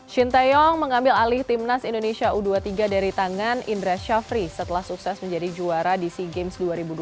shin taeyong mengambil alih timnas indonesia u dua puluh tiga dari tangan indra syafri setelah sukses menjadi juara di sea games dua ribu dua puluh tiga